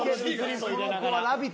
この子は『ラヴィット！』